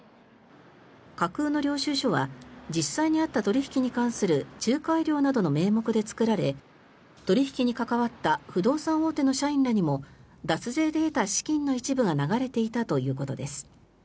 架空の領収書は実際にあった取引に関する仲介料などの名目で作られ取引に関わった不動産大手の社員らにも脱税で得た資金の一部が流れていたということです。